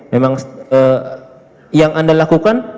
memang yang anda lakukan